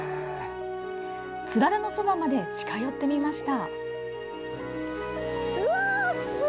つららのそばまで近寄ってみました。